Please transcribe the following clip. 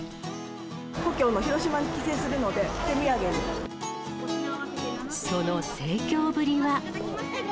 故郷の広島に帰省するので、その盛況ぶりは。